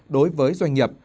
đối với doanh nghiệp